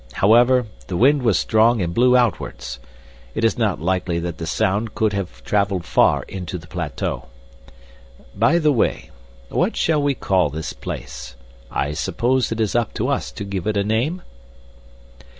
However, the wind was strong and blew outwards. It is not likely that the sound could have traveled far into the plateau. By the way, what shall we call this place? I suppose it is up to us to give it a name?"